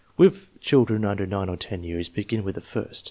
With children tinder 9 or 10 years, begin with the first.